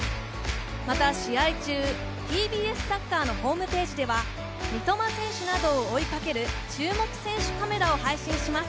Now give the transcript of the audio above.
また試合中、ＴＢＳサッカーのホームページでは三笘選手などを追いかける注目選手カメラを配信します。